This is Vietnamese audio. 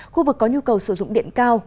khu vực có nhu cầu sử dụng điện cao